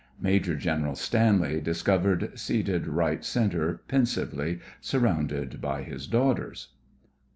MAJOR GENERAL STANLEY discovered seated R.C. pensively, surrounded by his daughters.)